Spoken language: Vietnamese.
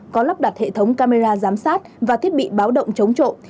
có lắp đặt hệ thống camera giám sát và thiết bị báo động chống trộm